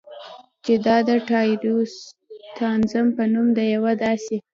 چې دا د ټایروسیناز په نوم د یوه داسې